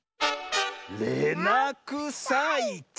「れなくさいち」